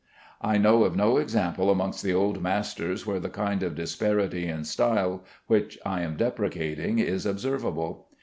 I know of no example amongst the old masters where the kind of disparity in style which I am deprecating is observable.